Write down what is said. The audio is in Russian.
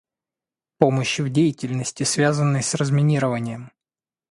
Помощь в деятельности, связанной с разминированием.